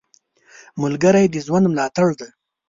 ملګری د ژوند ملاتړ دی